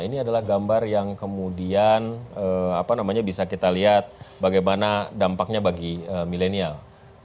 ini adalah gambar yang kemudian bisa kita lihat bagaimana dampaknya bagi milenial